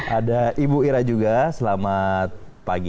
ada ibu ira juga selamat pagi